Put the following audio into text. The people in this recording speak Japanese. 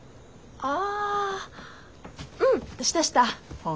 ああうんしたした。